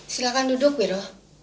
silahkan duduk wiro